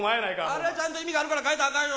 あれはちゃんと意味があるから変えたらあかんよ。